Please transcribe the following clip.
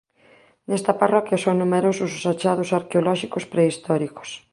Nesta parroquia son numerosos os achados arqueolóxicos prehistóricos.